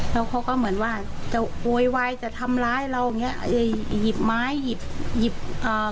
แล้วเขาก็เหมือนว่าจะโวยวายจะทำร้ายเราอย่างเงี้ยหยิบไม้หยิบหยิบเอ่อ